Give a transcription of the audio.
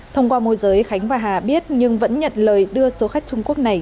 thông qua môi giới khánh và hà biết nhưng vẫn nhận lời đưa số khách trung quốc này